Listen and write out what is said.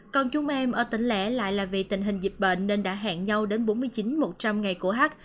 còn chúng em ở tỉnh lẻ lại là vì tình hình dịch bệnh nên đã hẹn nhau đến bốn mươi chín một trăm linh ngày của hát